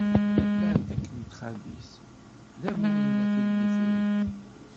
Laɛtiq n txabit d amur-im a timnifrit.